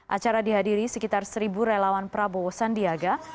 acara dihadiri sekitar seribu relawan prabowo sandiaga